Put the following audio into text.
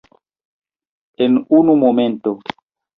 En unu momento.